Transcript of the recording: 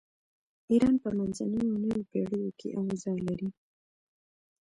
ایران په منځنیو او نویو پیړیو کې اوضاع لري.